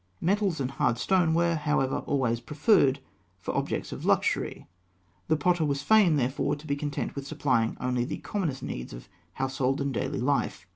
Metals and hard stone were, however, always preferred for objects of luxury; the potter was fain, therefore, to be content with supplying only the commonest needs of household and daily life.